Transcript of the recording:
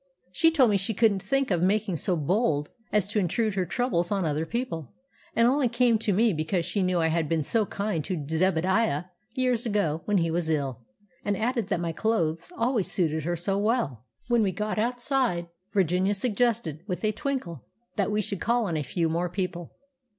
She told me she couldn't think of making so bold as to intrude her troubles on other people, and only came to me because she knew I had been so kind to Zebadiah years ago when he was ill; and added that my clothes always suited her so well!" When we got outside, Virginia suggested with a twinkle that we should call on a few more people.